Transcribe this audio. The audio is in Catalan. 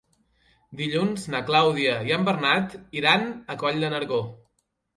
Dilluns na Clàudia i en Bernat iran a Coll de Nargó.